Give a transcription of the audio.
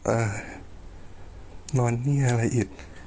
เออนอนนี่อะไรอีก